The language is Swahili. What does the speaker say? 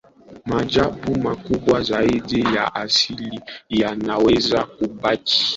maajabu makubwa zaidi ya asili yanaweza kubaki